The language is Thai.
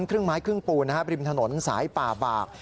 ครึ่งไม้ครึ่งปูนบริมถนนสายป่าบาก